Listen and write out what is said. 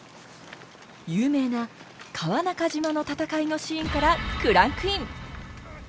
有名な川中島の戦いのシーンからクランクイン！